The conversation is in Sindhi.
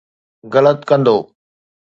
غلط ڪندو.